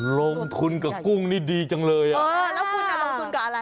ลงทุนกับกุ้งนี่ดีจังเลยอ่ะเออแล้วคุณอ่ะลงทุนกับอะไร